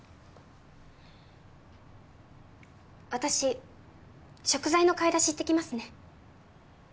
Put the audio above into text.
私食材の買い出し行ってきますね。